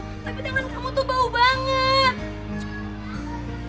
tapi tangan kamu tuh bau banget